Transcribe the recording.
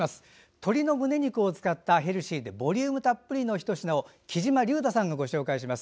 鶏むね肉を使ったヘルシーでボリュームたっぷりのひと品をきじまりゅうたさんがご紹介します。